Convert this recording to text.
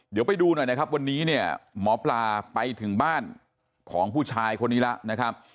เดี๋ยวไปดูหน่อยนะครับวันนี้เนี่ยหมอปลาไปถึงบ้านของผู้ชายคนนี้แล้วนะครับ